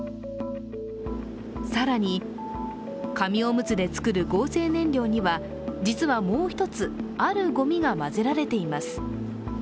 更に紙おむつで作る合成燃料には、実はもう一つ、あるごみが混ぜられています。